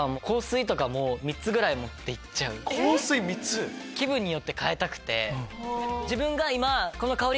香水３つ⁉気分によって変えたくて。